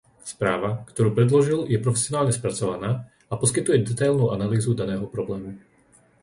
Správa, ktorú predložil je profesionálne spracovaná a poskytuje detailnú analýzu daného problému.